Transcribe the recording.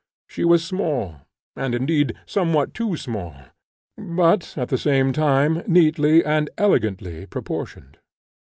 She was small, and, indeed, somewhat too small, but, at the same time, neatly and elegantly proportioned.